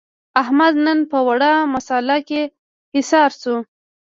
احمد نن په وړه مسعله کې حصار شو.